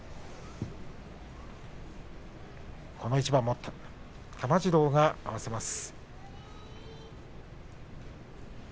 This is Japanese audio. この一番も玉治郎が合わせます。